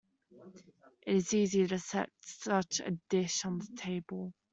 It is easy to set such a dish on the table.